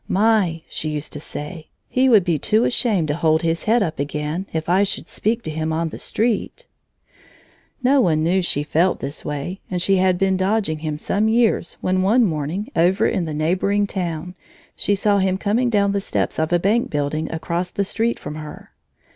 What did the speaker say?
"My," she used to say, "he would be too ashamed to hold his head up again, if I should speak to him on the street." No one knew she felt this way, and she had been dodging him some years when one morning, over in the neighboring town, she saw him coming down the steps of a bank building across the street from her.